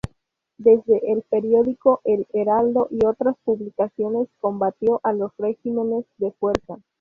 Desde el periódico "El Heraldo" y otras publicaciones, combatió a los regímenes de fuerza.